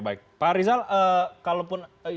pak arizal kalaupun